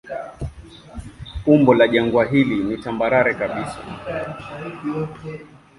Umbo la jangwa hili ni tambarare kabisa.